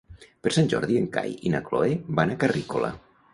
Per Sant Jordi en Cai i na Cloè van a Carrícola.